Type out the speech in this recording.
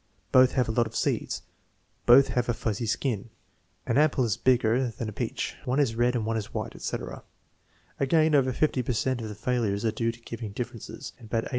"Both have a lot of seeds." "Both have a fuzzy skin." "An apple is bigger than a peach." "One is red and one is white," etc. Again, over 50 per cent of the failures are due to giving differ ences, and about 18 per cent to silence.